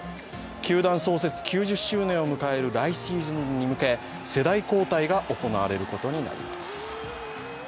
球団創設９０周年を迎える来シーズンへ向け世代交代が行われることになります。